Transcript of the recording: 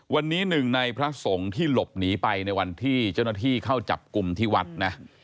วันนี้หนึ่งในพระสงฆ์ที่หลบหนีไปในวันที่เจ้าหน้าที่เข้าจับกลุ่มที่วัดนะ